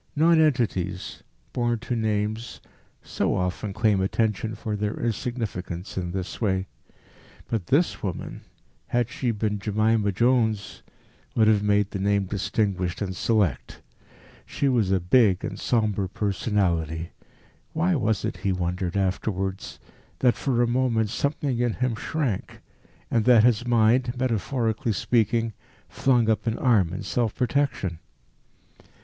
Nonentities, born to names, so often claim attention for their insignificance in this way. But this woman, had she been Jemima Jones, would have made the name distinguished and select. She was a big and sombre personality. Why was it, he wondered afterwards, that for a moment something in him shrank, and that his mind, metaphorically speaking, flung up an arm in self protection?